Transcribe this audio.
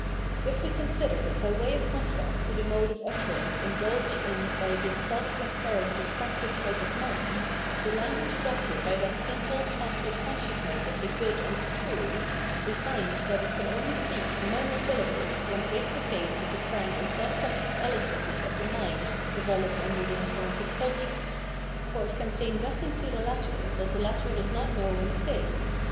If we consider, by way of contrast to the mode of utterance indulged in by this self transparent distracted type of mind, the language adopted by that simple, placid consciousness of the good and the true, we find that it can only speak in monosyllables when face to face with the frank and self conscious eloquence of the mind developed under the influence of culture ; for it can say nothing to the latter that the latter does not know and say.